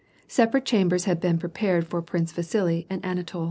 Separate chambers had been prepared for Prince Vasili and Anatol.